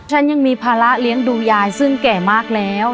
ฉันยังมีภาระเลี้ยงดูยายซึ่งแก่มากแล้ว